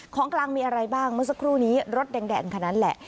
ของกลางมีอะไรบ้างเมื่อสักครู่นี้รถแดงคันนั้นแหละ